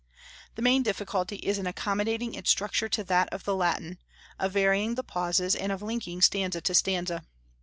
The main difficulty is in accommodating its structure to that of the Latin, of varying the pauses, and of linking stanza to stanza.